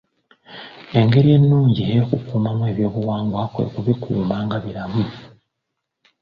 Engeri ennungi ey'okukuumamu ebyobuwangwa kwe kubikuuma nga biramu.